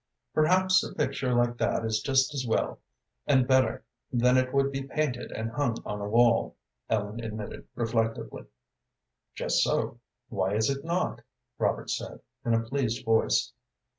"Perhaps a picture like that is just as well and better than it would be painted and hung on a wall," Ellen admitted, reflectively. "Just so why is it not?" Robert said, in a pleased voice.